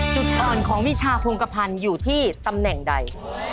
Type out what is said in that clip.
จุดอ่อนของวิชาพงกระพันธ์อยู่ที่ตำแหน่งใด